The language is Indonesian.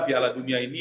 piala dunia ini